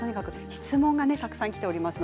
質問がたくさんきています。